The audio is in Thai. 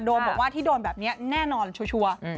บอกว่าที่โดนแบบนี้แน่นอนชัวร์